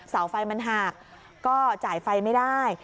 เสาไฟมันหักก็จ่ายไฟไม่ได้